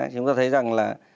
chúng ta thấy rằng là